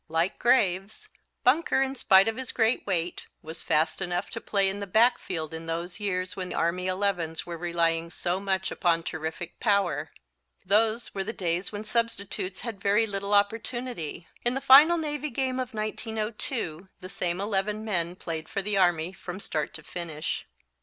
Like Graves, Bunker in spite of his great weight, was fast enough to play in the backfield in those years when Army elevens were relying so much upon terrific power. Those were the days when substitutes had very little opportunity. In the final Navy game of 1902 the same eleven men played for the Army from start to finish.